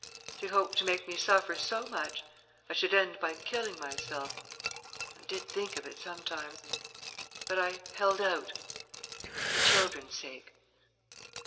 she hoped to make me suffer so much I should end by killing myself.... I did think of it sometimes, but I held out, for the children's sake